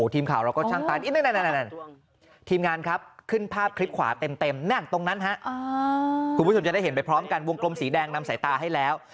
ทีมข่าวขึ้นภาพคลิปขวาเต็มตรงนั้นคุณผู้ชมจะได้เห็นไปพร้อมกันวงกลมสีแดงนำสายตาให้แล้ว